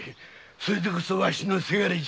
それでこそわしの伜じゃ。